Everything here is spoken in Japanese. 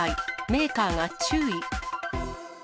メーカーが注意。